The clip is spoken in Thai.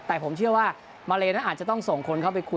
แต่ผมเชื่อว่ามาเลนั้นอาจจะต้องส่งคนเข้าไปคุย